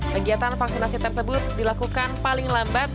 kegiatan vaksinasi tersebut dilakukan paling lambat